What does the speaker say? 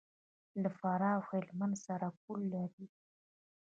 له فراه او هلمند سره پوله لري.